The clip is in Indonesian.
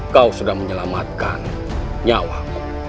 kau sudah menyelamatkan nyawaku